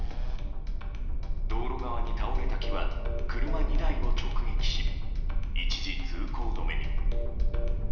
道路側に倒れた木は車２台を直撃し一時通行止めに。